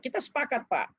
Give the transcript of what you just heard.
kita sepakat pak